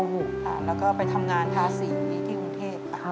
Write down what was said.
แล้วก็ไปทำงานทาสีที่กรุงเทพนะคะ